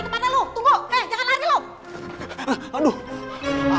keluarin kemana lo